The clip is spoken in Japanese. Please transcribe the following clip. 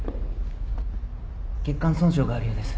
血管損傷があるようです。